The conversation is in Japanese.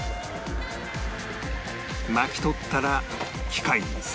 巻き取ったら機械にセットし